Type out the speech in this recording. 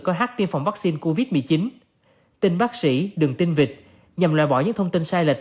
coi h tiêm phòng vaccine covid một mươi chín tin bác sĩ đừng tin vịt nhằm loại bỏ những thông tin sai lệch